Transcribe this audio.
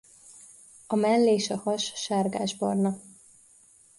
A mell és a has sárgásbarna.